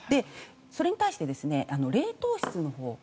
それに対して、冷凍室のほう。